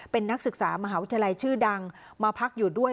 เป็นนักศึกษามหาวิทยาลัยชื่อดังมาพักอยู่ด้วย